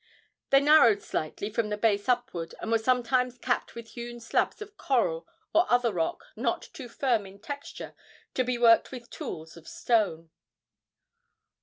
They narrowed slightly from the base upward, and were sometimes capped with hewn slabs of coral or other rock not too firm in texture to be worked with tools of stone.